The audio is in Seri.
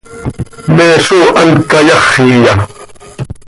¿Me zó hant cayáxiya?